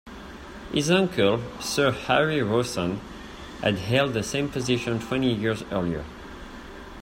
His uncle, Sir Harry Rawson, had held the same position twenty years earlier.